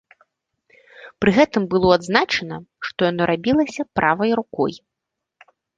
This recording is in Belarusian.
Пры гэтым было адзначана, што яно рабілася правай рукой.